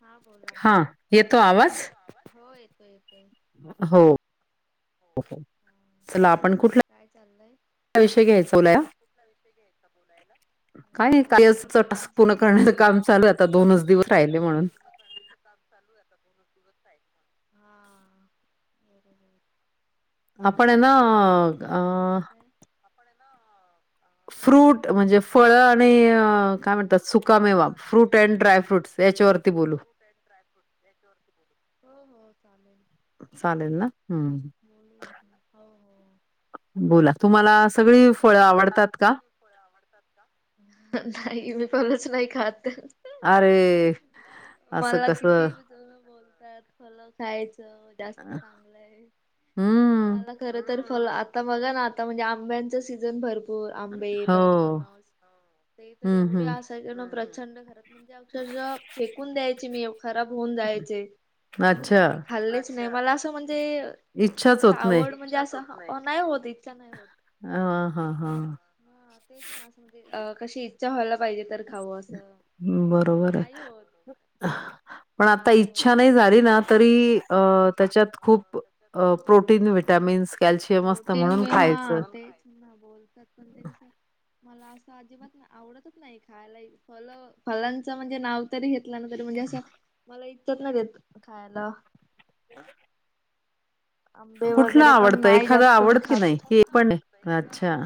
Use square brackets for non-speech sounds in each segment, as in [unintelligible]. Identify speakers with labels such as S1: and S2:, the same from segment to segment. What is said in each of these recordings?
S1: हा बोला.
S2: हा
S1: हां
S2: येतो आवाज
S1: येतो आवाज? हो येतोय येतोय.
S2: हो.
S1: हा
S2: चला आपण कुठला
S1: काय चाललय?
S2: विषय घ्यायचा
S1: ला
S2: बोलाया
S1: आपण कुठला विषय घ्यायचा बोलायला? विषय बघा तुम्ही
S2: पुर्ण
S1: सांगा
S2: करण्याचं काम चालू आहे, आता दोनच दिवस राहिले म्हणून.
S1: हा बरोबर.
S2: आपण हायना
S1: मग काय
S2: अ
S1: बोलताय
S2: फ्रूट म्हणजे फळ आणि काय म्हणतात? सुका मेवा, फ्रूट अँड ड्राय फ्रूट याच्यावरती बोलू.
S1: हो-हो चालेल.
S2: चालेल ना? हम्म.
S1: बोलूयात ना हो हो
S2: बोला, तुम्हाला सगळी फळं आवडतात का?
S1: नाही, मी फळचं नाही खात.
S2: अरे, असं कसं?
S1: परत फळं खायचं जास्त चांगलंय. परत
S2: हम्म
S1: मला खर तर फळं आता बघा ना, आता म्हणजे आंब्यांचं सीझन भरपू पूर आंबे
S2: हो
S1: परत फणस. ते तर
S2: हम्म
S1: एवढे
S2: हम्म
S1: असायचे ना, प्रचंड घरात म्हणजे अक्षरशः फेकून द्यायची मी येवढी, खराब होऊन जायचे. पण
S2: अच्छा
S1: मी कधी खाल्लेच नाही मला असं म्हणजे, एकदम
S2: इच्छाच
S1: असं
S2: होत नाही
S1: आवड म्हणजे, असं नाही होत इच्छा नाही होत.
S2: ह हां हां.
S1: ह तेच ना असं म्हणजे, अ- कशी इच्छा व्हायला पाहिजे तर खावं असं.
S2: बरोबर
S1: नाही होत
S2: आहे. पण आता इच्छा नाही झाली
S1: वगैरे
S2: ना तरी, अ- त्याच्यात खूप प्रोटीन व्हिटॅमिन्स. कॅल्शियम असतं
S1: प्रोटीन
S2: म्हणून
S1: मी हा
S2: खायचं.
S1: तेच ना बोलतात पण ते, कस मला असं. अजिबात आवडतच नाही खायला, फल फलांचं म्हणजे नाव. तरी घेतल ना तरी म्हणजे, असं मला इच्छाच होत खायला.
S2: [unintelligible]
S1: आंबे
S2: कुठलं
S1: वगैरे पण
S2: आवडतं
S1: नाही
S2: एखादं,
S1: जास्त मी
S2: आवडत की
S1: खात
S2: नाही, की एक पण नाही. अच्छा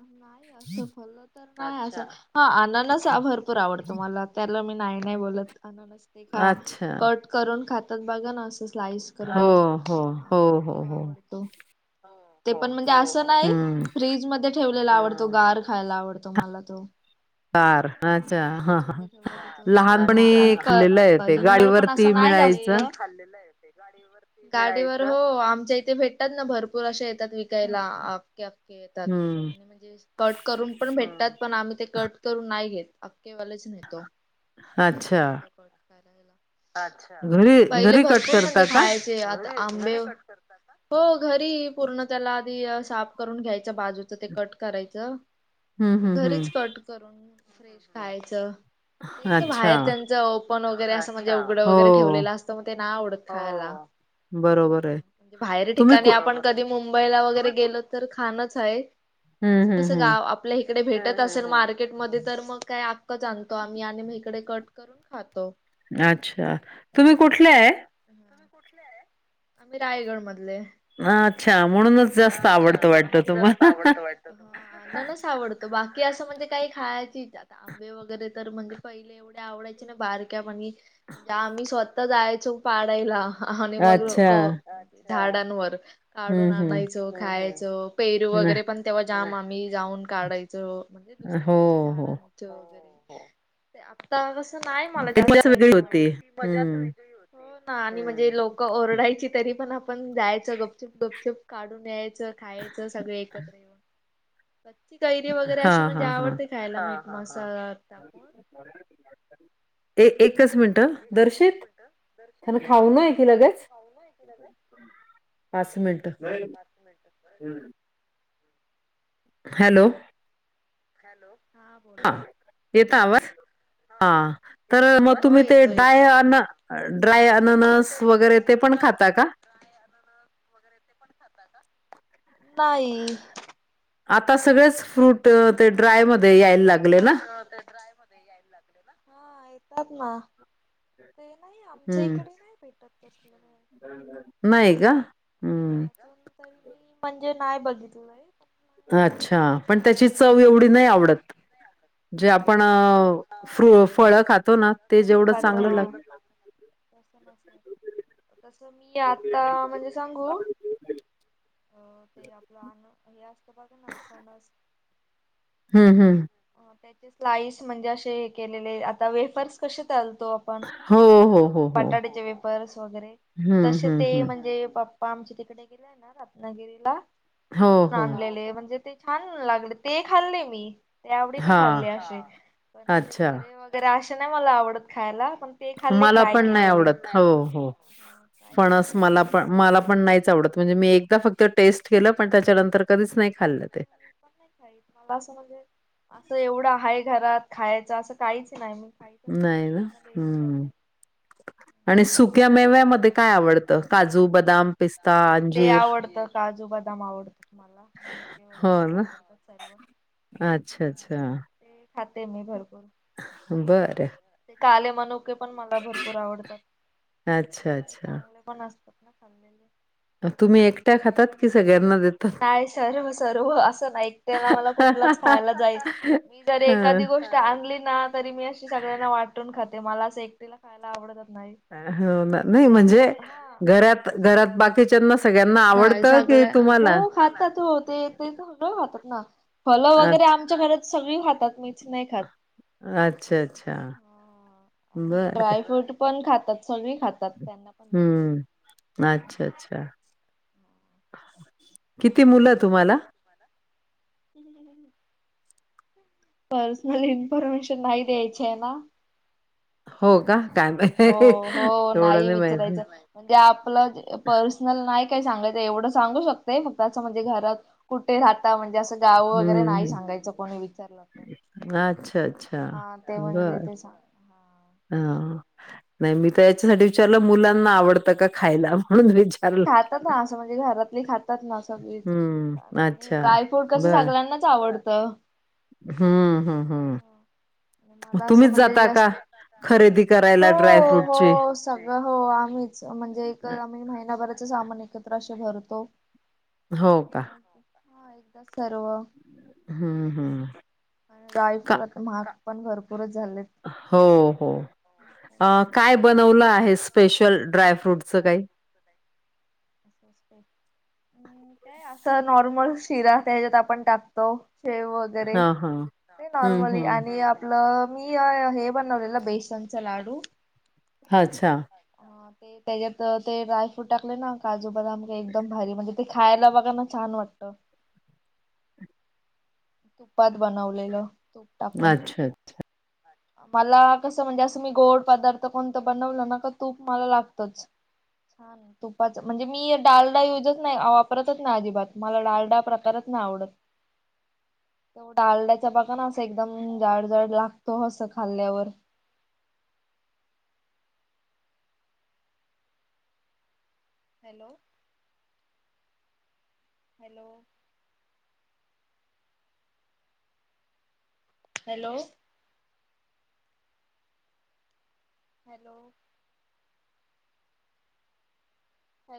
S1: नाही असं फलं तर नाही असं, हा आनारस अननस भरपूर आवडतो मला, त्याला मी नाही नाही बोलत, अननस ते खा.
S2: अच्छा.
S1: कट करून खातात बघा ना, असं स्लाईस.
S2: हो हो हो हो हो.
S1: आवडतो ते पण म्हणजे असं नाही.
S2: हं.
S1: फ्रीजमध्ये ठेवलेला आवडतो गार खायला, आवडतो मला तो.
S2: पार. अच्छा, हा..
S1: फ्रीज
S2: हा
S1: मध्ये ठेवलं की तो छान
S2: लहानपणी
S1: आणि क
S2: खाल्लेलं आहे ते,
S1: कलिंगड पण
S2: गाडीवरती
S1: असं नाही जास्त
S2: मिळायचं.
S1: गाडीवर हो, आमच्या इथे भेटतात ना, भरपूर असे येतात विक यला अखेअखे येतात.
S2: हं.
S1: आणि म्हणजे असं कट करून पण भेटतात. पण आम्ही ते कट करून नाही घेत, अखेवालेच घेतो. घरी
S2: अच्छा.
S1: आणतो कट करायला. अच्छा,
S2: घरी
S1: पहिले
S2: घरी कट
S1: भरपूर म्हणजे
S2: करता का?
S1: खाय ते आता आंबे व, हो, घरी पूर्ण त्याला आधी साफ करून घ्यायचं, बाजूचं. मग ते कट करायचं,
S2: हं,
S1: आणि
S2: हं,
S1: मग
S2: हं.
S1: घरीच कट करून फ्रेश खायचं. ते कसं
S2: अच्छा.
S1: बाहेरच्याच ओपन वगैरे असं, म्हणजे उघडं
S2: हो.
S1: वगैरे ठेवलेलं असतं. मग ते नाय आवडत खायला.
S2: बरोबर आहे.
S1: बाहेर
S2: तुम्ही
S1: ठिकाणी
S2: कु
S1: आपण, कधी मुंबईला वगैरे गेलं तर, खाणच आहे.
S2: हं,
S1: असं
S2: हं,
S1: तसं
S2: हं.
S1: गाव आपल्या इकडे भेटत असेल मार्केटमध्ये. तर मग काय आक्कच आणतो आम्ही, आणि मग इकडे कट करून खातो.
S2: अच्छा, तुम्ही कुठले?
S1: तुम्ही कुठले? आम्ही रायगड मधले.
S2: हा, अच्छा. म्हणूनच जास्त आवडतं वाटत तुम्हाला.
S1: आननस आवडतो बाकी असं, म्हणजे काही खायची, [unintelligible] आंबे वगैरे तर म्हणजे, पहिले एवढे आवडायचे ना बारक्यापनी. म्हणजे, आम्ही स्वतः जायचो पाडायला. आणि मग
S2: अच्छा.
S1: लोक झाडांनवर, काढून
S2: हं, हं.
S1: आणायचो खायचो. पेरू
S2: नाही.
S1: वगैरे पण तेव्हा जाम आम्ही जाऊन काढायचो. म्हणजे
S2: हो,
S1: दुसऱ्यांची अशी झाड.
S2: हो.
S1: आता कसं नाय मला
S2: त्याचीच
S1: जास्त आस,
S2: वेगळी
S1: आवडत
S2: होती.
S1: पहिली ती मजाच
S2: हं.
S1: वेगळी होती. हो ना, आणि म्हणजे लोक ओरडायची तरी पण, आपण जायचो गुपचुप गुपचुप. काढून न्यायचं खायचं सगळे, एकत्र येऊन कच्ची कैरी वगैरे अशी
S2: हां,
S1: म्हणजे
S2: हां, हां.
S1: आवडते की, खायला मीठ मसाल टाकून.
S2: [unintelligible] एकच
S1: बाकी अस
S2: मिनिटं.
S1: म्हणजे, एक-एकचं
S2: दर्शित
S1: मिनिटं
S2: त्याला
S1: [unintelligible]
S2: पाच मिनट.
S1: पाच मिनिट होय.
S2: हॅलो
S1: हॅलो
S2: हा येत आवाज हा तर मग
S1: हो
S2: तुम्ही ते
S1: येतोय
S2: डाय
S1: येतोय
S2: अन ड्राय अननस वगैरे ते पण खाता का
S1: ड्राय अननस वैगेरे ते पण खाता का बाई
S2: आता सगळेच फ्रूट अ, ते ड्रायमध्ये
S1: आता
S2: यायला
S1: सगळेच
S2: लागले ना?
S1: फ्रूट ते ड्राय मध्ये यायला लागले हा येतात ना ते नाही आमच्या इकडे नय भेटत त
S2: नाय गं हम्म
S1: म्हणजे नाय बघितलय
S2: ह अच्छा पण त्याची चव एवढी नायी आवडत जे आपण
S1: ते
S2: फ्रु फळ खातो ना ते जेवढं चांगलं लागत
S1: ते आता म्हणजे सांगू अ ते आपलं अन्न हे असतं का बघा फणस
S2: हम्म हम
S1: अ स्लाईस म्हणजे अशे हे केलेले आता वेफर्स कसे तलतो
S2: हो, हो, हो, हो.
S1: बटाट्याचे वेपर्स वगैरे
S2: हं,
S1: तसे
S2: हं,
S1: ते
S2: हं.
S1: म्हणजे पाप आमचे तिकडे गेलेय ना रत्नागिरीला
S2: हो,
S1: तिकडून
S2: हो.
S1: आणलेले म्हणजे ते छान लाग ते खाल्ले मी ते आवडीने
S2: हां.
S1: खाल्ले अशे पण अशे
S2: अच्छा.
S1: तर आशे नाही मला आवडत खायला पण ते खाल्ले
S2: मला
S1: फ्राय
S2: पण नाही
S1: केलेले हा
S2: आवडत हो हो
S1: फ्राय
S2: फणस
S1: केलेले
S2: मला
S1: खाल्ले
S2: पण
S1: मी
S2: मला पण नाहीच आवडत म्हणजे मी एकदा फक्त टेस्ट केलं पण त्याच्यानंतर कधीच नाही खाल्लं ते
S1: पण नाही मला असं म्हणजे असं एवढं हाय घरात खायचं असं काहीच नाही मी खायच नाही
S2: ना?
S1: दुसऱ्यांमध्ये येऊन
S2: हं.
S1: जाते
S2: आणि सुक्या मेव्यामध्ये काय आवडतं काजू बदाम पिस्ता
S1: हो ते
S2: अंजीर
S1: आवडतं काजू बदाम आवडतात मला मनुके
S2: हो
S1: वगैरे
S2: ना?
S1: वत सर्व
S2: अच्छा, अच्छा.
S1: ते खाते मी भरपूर
S2: बरं
S1: ते काले मनुके पण मला भरपूर आवडतात
S2: अच्छा अच्छा
S1: चांगले फणसपतण खालेले
S2: मग तुम्ही एकट्या
S1: मी
S2: खातात की सगळ्यांना देतात?
S1: नाही सर्व सर्व अस ऐकठ कुठलाच खायला जाईल मी जरी एखा
S2: हं
S1: गोष्ट आणली ना तरी मी अशी सगळ्यांना वाटून खाते मला असं एकटीला खायला आवडत नाही
S2: हो नाही म्हणजे घरात घरात बाकीच्याना
S1: नाही सगळं हो खातात हो ते ते सगळं खातात ना फलं वगैरे
S2: अच्छा
S1: आमच्या घरात सगळी खातात मीच नाही खात
S2: अच्छा अच्छा
S1: आणि हे
S2: बरं
S1: ड्राय फ्रूट पण खातात सगळी खातात त्यांना पण देते.
S2: हम्म अच्छा अच्छा किती मुलं तुम्हाला
S1: हले पर्सनल इन्फॉर्मेशन नाही द्यायचे आहे ना
S2: हो का काय
S1: हो
S2: माहि
S1: हो
S2: एवढं
S1: नाही
S2: माहित
S1: विचारायचं म्हणजे आपलं पर्सनल नाही काय सांगायचं एवढं सांगू शकत फक्तचं म्हणजे घरात कुठे राहत म्हणजे अस जाऊ वगैरे नाही
S2: हम्म
S1: सांगायचं कोणी विचारलं तर
S2: अच्छा अच्छा
S1: हा ते म्हणजे
S2: बरं
S1: ते सां
S2: हा नाही मी तर याच्यासाठी विचारलं मुलांना आवडतं का खायला म्हणून विचार
S1: खातात ना असं म्हणजे घरातली खातात ना सगळीच
S2: हं,
S1: आणि हे
S2: अच्छा.
S1: ड्रायफ्रूट कसं सगळ्यांनाच आवडतं
S2: हम्म हम् हम्
S1: मला असं
S2: तुम्हीच
S1: म्हणजे
S2: जाता का
S1: जास्त
S2: खरेदी
S1: हो
S2: करायला ड्रायफ्रूटचे?
S1: हो सगळं हो आम्हीच, म्हणजे एक
S2: अ,
S1: आम्ही महिनाभराच सामान एकत्र असे भरतो. आणि
S2: हो का?
S1: मग हा एकदा सर्व
S2: हुं हुं.
S1: ड्राय फ्रूट आता महा्ग पण भरपूरच झालय.
S2: हो हो
S1: मग
S2: काय
S1: सर्व.
S2: बनवलं आहेस? स्पेशल ड्रायफ्रूटचं काही
S1: असस् [inaudible] अस नॉर्मल शिरा त्याच्यात आपण टाकतो शेव गरे
S2: हां, हां.
S1: मी
S2: हं,
S1: नॉर्मली
S2: हं.
S1: आणिआप आपलं मी हे बनवलेलं बेसनचा लाडू
S2: हा अच्छा.
S1: अ ते त्याच्यात ते ड्रायफ्रूट टाकले ना, काजू बदाम काय एकदम भारी म्हणजे ते खायला बघा ना छान वाटतं. तुपात बनवलेलं तूप टाकून
S2: अचछा अचछा.
S1: मला कसं म्हणजे असं मी गोड पदार्थ कोणतं? बनवलं ना का तूप मला लागतच. छान ए! तुपाच म्हणजे मी डालडा युजच नाही वापरतच नाही अजिबात, मला डालडा प्रकारच नाही आवडत.
S2: ह [inaudible]
S1: डालड्याच्या बाघा ना असं एकदम जाड जाड लागतो असस खाल्ल्यावर हॅलो. हॅलो. हॅलो. हॅलो.